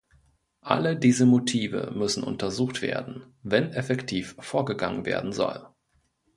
Alle diese Motive müssen untersucht werden, wenn effektiv vorgegangen werden soll.